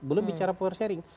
belum bicara power sharing